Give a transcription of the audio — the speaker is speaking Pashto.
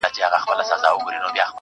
د خدای د حسن عکاسي د يتيم زړه کي اوسي